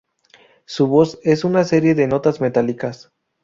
Su voz es una serie de notas metálicas.